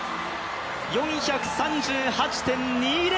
４３８．２０